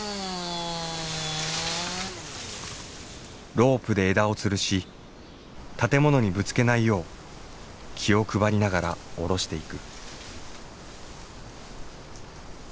ロープで枝をつるし建物にぶつけないよう気を配りながら下ろしていく。